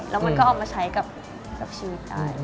แล้วมันก็เอามาใช้กับชีวิตได้